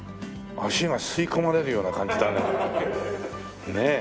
足が吸い込まれるような感じだね。